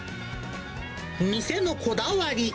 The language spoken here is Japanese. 店のこだわり。